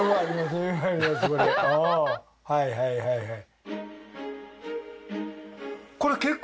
はいはいはいはい。